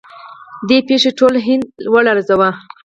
دې پیښې ټول هند لړزاوه.